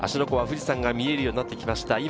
湖は富士山が見えるようになってきました。